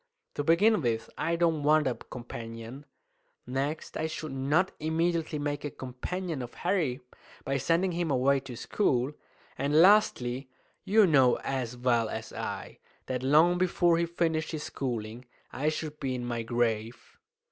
To begin with, I don't want a companion; next, I should not immediately make a companion of Harry by sending him away to school; and, lastly, you know as well as I, that long before he finished his schooling I should be in my grave."